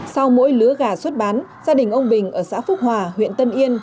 sau mỗi lứa gà xuất bán gia đình ông bình ở xã phúc hòa huyện tân yên